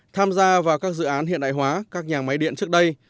tham gia vào các dự án hiện đại hóa các nhà máy điện trước đây